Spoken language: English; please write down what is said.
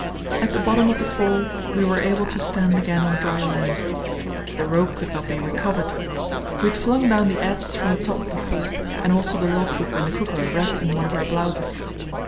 At the bottom of the fall we were able to stand again on dry land. The rope could not be recovered. We had flung down the adze from the top of the fall and also the logbook and the cooker wrapped in one of our blouses.